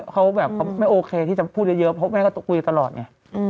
เขาแบบไม่โอเคที่จะพูดเยอะเยอะเพราะแม่ก็ต้องคุยตลอดเนี่ย